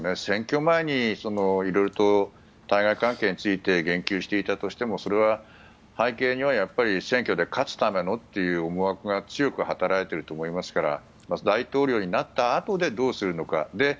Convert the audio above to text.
選挙前に色々と対外関係について言及していたとしてもそれは背景には選挙で勝つためのという思惑が強く働いていると思いますから大統領になったあとでどうするのか。